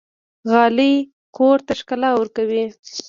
غالۍ کور ته ښکلا ورکوي.